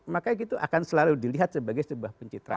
makanya itu akan selalu dilihat sebagai sebuah pencitraan